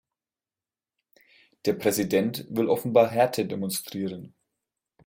Der Präsident will offenbar Härte demonstrieren.